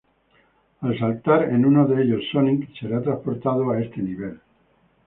Al saltar en uno de ellos Sonic será transportado a este nivel.